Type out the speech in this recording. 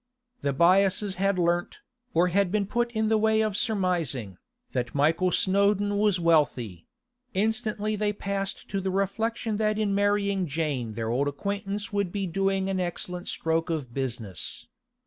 The Byasses had learnt, or had been put in the way of surmising, that Michael Snowdon was wealthy; instantly they passed to the reflection that in marrying Jane their old acquaintance would be doing an excellent stroke of business.